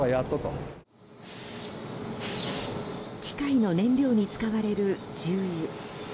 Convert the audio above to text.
機械の燃料に使われる重油。